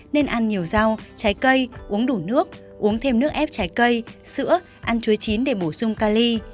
nên ăn nhiều rau trái cây uống đủ nước uống thêm nước ép trái cây sữa ăn chuối chín để bổ sung ca ly